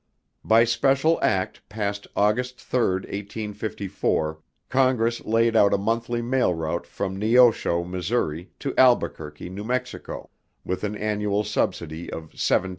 By special act passed August 3, 1854, Congress laid out a monthly mail route from Neosho, Missouri, to Albuquerque, New Mexico, with an annual subsidy of $17,000.